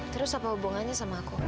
terus apa hubungannya sama aku